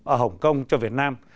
ở hồng kông cho việt nam